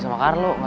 jangan lupa ya